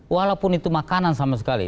walaupun itu makanan sama sekali